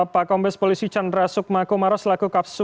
pak kompes polisi chandra sukmakumaro selaku kapsul